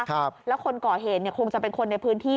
ครับแล้วคนก่อเหตุเนี่ยคงจะเป็นคนในพื้นที่